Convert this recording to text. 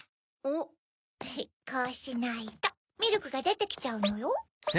こうしないとミルクがでてきちゃうのよ。